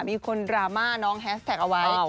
มีคนดราม่าน้องแฮสแท็กเอาไว้